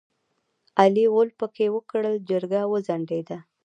علي غول پکې وکړ؛ جرګه وځنډېده.